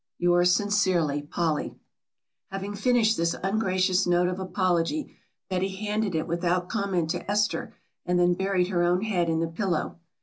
Yours sincerely, POLLY Having finished this ungracious note of apology Betty handed it without comment to Esther and then buried her own head in the pillow.